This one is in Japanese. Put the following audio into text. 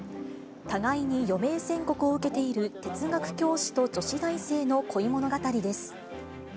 互いに余命宣告を受けている哲学教師と女子大生の恋物語です。